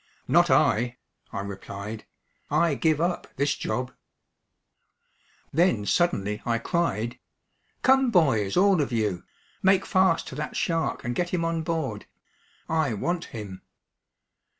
"Not I," I replied. "I give up this job." Then suddenly I cried: "Come boys, all of you. Make fast to that shark, and get him on board. I want him."